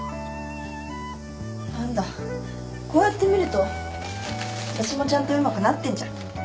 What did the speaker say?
なんだこうやって見るとあたしもちゃんとうまくなってんじゃん。